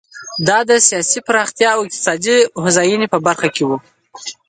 دا د سیاسي پراختیا او اقتصادي هوساینې په برخو کې و.